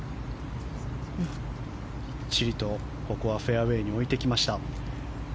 きっちりとフェアウェーに置いてきました。